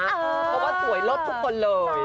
เพราะว่าสวยลดทุกคนเลย